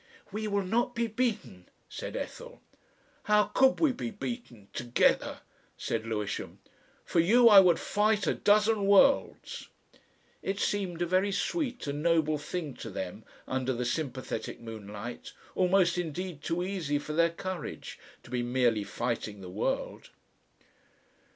"We will not be beaten," said Ethel. "How could we be beaten together?" said Lewisham. "For you I would fight a dozen worlds." It seemed a very sweet and noble thing to them under the sympathetic moonlight, almost indeed too easy for their courage, to be merely fighting the world.